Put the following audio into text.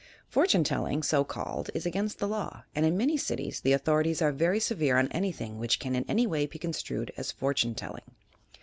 Fortune Tell ing (so called) is against the law, and in many cities the authorities are very severe on anything which can in any way be construed as fortune telling.